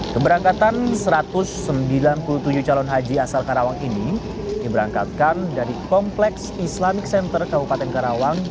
keberangkatan satu ratus sembilan puluh tujuh calon haji asal karawang ini diberangkatkan dari kompleks islamic center kabupaten karawang